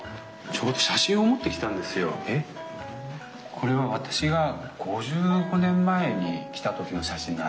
これは私が５５年前に来た時の写真なんです。